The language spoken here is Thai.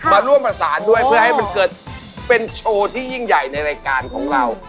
มาร่วมประสานด้วยเพื่อให้มันเกิดเป็นโชว์ที่ยิ่งใหญ่ในรายการของเรา